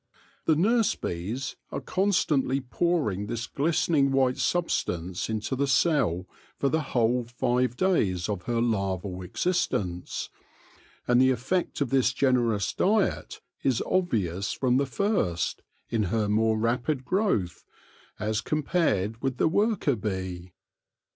The nurse bees are constantly pouring this glistening white substance into the cell for the whole five days of her larval existence, and the effect of this generous diet is obvious from the first in her more rapid growth, as compared with the worker bee.